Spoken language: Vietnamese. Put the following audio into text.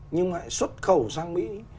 nhưng lại xuất khẩu sang mỹ